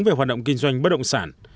về hoạt động kinh doanh bất động sản